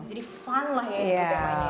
jadi fun lah ya itu temanya ya